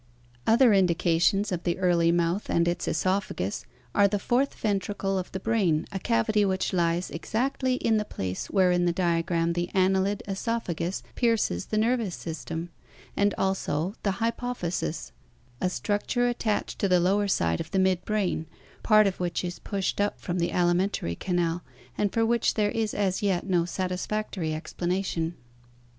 Other indications of the early mouth and its oesophagus are the fourth ventricle of the brain, a cavity which lies exactly in the place where in the diagram the annelid oesophagus pierces the nervous system, and also the hypophysis, a structure attached to the lower side of the mid brain, part of which is pushed up from the alimentary canal, and for which there is as yet no satisfac tory explanation.